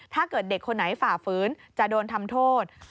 ถ้าเกิดเด็กคนไหนฝ่าฝืนจะโดนทำโทษ